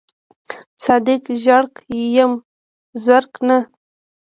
صادق ژړک یم زرک نه.